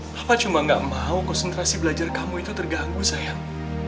bapak cuma gak mau konsentrasi belajar kamu itu terganggu sayang